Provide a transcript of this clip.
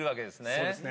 そうですね。